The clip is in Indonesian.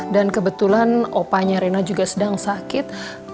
dan kebetulan opanya reina juga sedang sakit